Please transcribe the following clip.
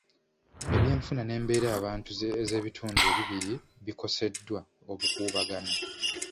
Ebyenfuna n'embeera bantu ez'ebitundu ebibiri bikoseddwa obukuubagano.